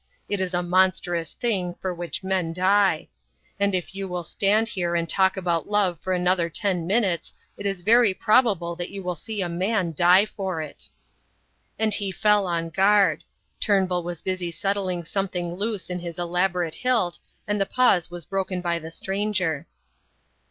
It is a monstrous thing, for which men die. And if you will stand here and talk about love for another ten minutes it is very probable that you will see a man die for it." And he fell on guard. Turnbull was busy settling something loose in his elaborate hilt, and the pause was broken by the stranger.